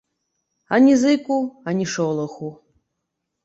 Ані зыку, ані шолаху.